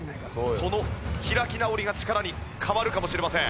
その開き直りが力に変わるかもしれません。